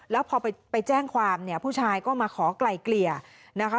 แล้วพอไปแจ้งความเนี่ยผู้ชายก็มาขอไกลเกลี่ยนะคะ